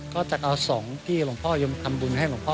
ก็จะเอาสองที่หลวงพ่อยมทำบุญให้หลวงพ่อ